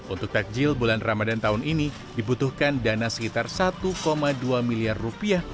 untuk takjil bulan ramadan tahun ini dibutuhkan dana sekitar satu dua miliar rupiah